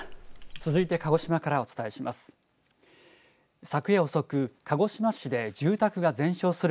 続いて鹿児島からお伝えします。